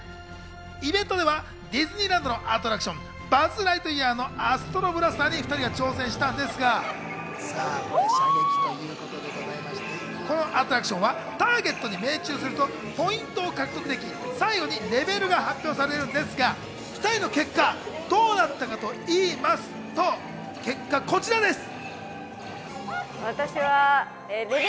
イベントではディズニーランドのアトラクション「バズ・ライトイヤーのアストロブラスター」に２人が挑戦したんですが、射撃ということで、このアトラクションはターゲットに命中するとポイントを獲得でき、最後にレベルが発表されるんですが、２人の結果、どうなったかと言いますと、結果、こちらです。